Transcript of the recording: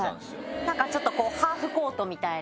なんかちょっとこうハーフコートみたいな。